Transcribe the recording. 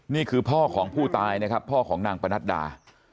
นี่คือพ่อของผู้ตายนะครับพ่อของนางปนัดดา